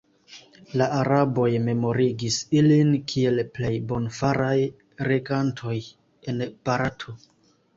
La araboj memorigis ilin kiel plej bonfaraj regantoj en Barato.